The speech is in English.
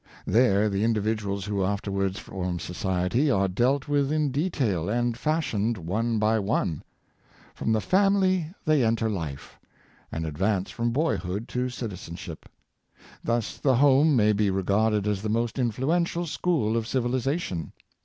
There the individuals who afterwards form society are dealt with in detail, and fashioned one by one. From the family they enter life, and advance from boyhood to citizen ship. Thus the home may be regarded as the most influential school of civilization.